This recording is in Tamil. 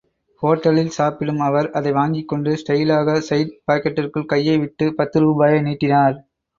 ஹோட்டலில் சாப்பிடும் அவர், அதை வாங்கிக்கொண்டு, ஸ்டைலாக சைட் பாக்கெட்டிற்குள் கையை விட்டுப் பத்து ரூபாயை நீட்டினார்.